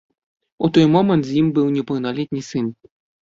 У той момант з ім быў непаўналетні сын.